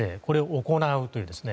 これを行うと。